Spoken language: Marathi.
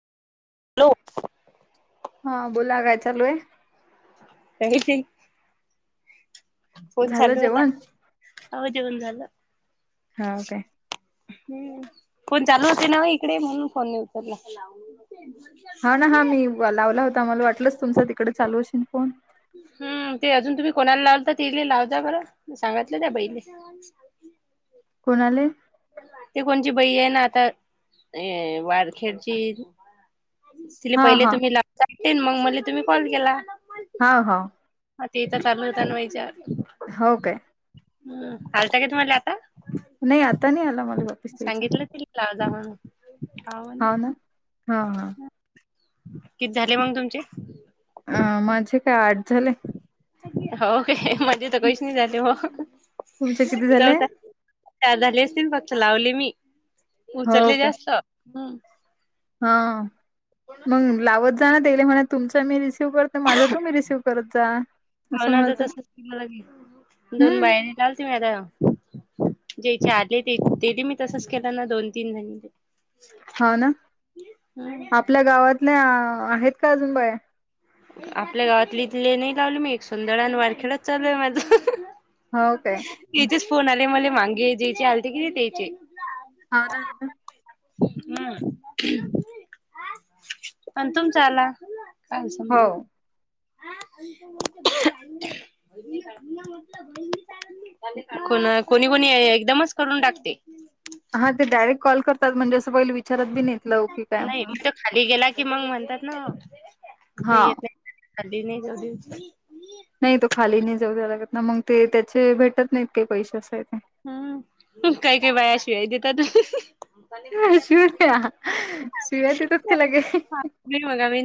हॅलो हा बोला काय चालू आहे ह झालं जेवण आवजेवन झालं हाव काय? हम्म फोन चालू होते ना इकडे म्हणून फोन नाही उचलला हा ना हा मी लावला होता मला वाटलं तुमचा तिकडे चालू असशेल फोन हम्म ते अजून तुम्ही कोणाला लावलता तेयले लावजा बरं सांगीतलं त्या बाईले कोणाले ते कोणची बाई हैना आता ऐ वारखेडचीआहे ती तिले हा पहिले हा तुम्हीे लावता वाटते मग मले तुम्ही कॉल केला हा हा हा तेथ तर चालू होतं व्हायच्या वर हो काय हम आलता का तुम्हाला आता नाही आता नाही आला मला वापिस त्यांचा सांगितलं तिला लाव जा म्हणून हा हैव म्हणे ना हा हा किती झाले मंग तुमचे अं, माझे काय आठ झाले हौव का [unintelligible] मजे तर कही नाही झाली हो तुमचे किती [unintelligible] तर झाले काय चार झाले असतील फक्त लावले मी हो उचलले का जास्त हम्म हा मग लावत जाण त्याले म्हणा तुमच्या मे तेव्हापर्यंत माझ तुम्ही रिसिव करत जा असं भावना तर म्हणायचं तसच केलं लगे दोन हम्म बाईनी लावलते मागाआ ज्याचे आले ते ते मी तसच केलं ना दोन तीन जाणीले हौना आपल्या गावातल्या आहेत का अजून बाया आपल्या गावातली इथले नाही लावली मी एक सुंदर आणि वारखेडच चालूय माझं [unintelligible] हो [unintelligible] काय त्याचेच फोन आले मला मांगे ज्याचे आलते की नाही त्याचे हौवना हौवना हम् [unintelligible] पण तुमचा आला काय समजा हो [unintelligible] मेॅ म्हटंल बहिणी होना कोणी कोणी एकदमच करून टाकते हा ते डायरेक्ट कॉल करतात म्हणजे असं पहिले विचारत बी नाही लावुकी काय ह? कि मग म्हणतात ना काही हा येत नाही खाली नाही जाऊदेयांची नाही तो खाली नाही जाऊ द्या लागत ना मग ते त्याचे भेटत नाहीत काही पैसे असाय ते हम् काही काही बाया शिव्या देतातात अ [unintelligible] [unintelligible] शिव्या देतात का लगे नाही मग आम्ही